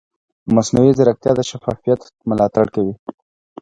مصنوعي ځیرکتیا د شفافیت ملاتړ کوي.